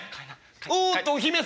「おっとお姫様